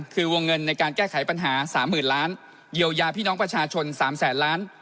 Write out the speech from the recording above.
คือวงเงินในการแก้ไขปัญหา๓๐๐๐ล้านเยียวยาพี่น้องประชาชน๓แสนล้าน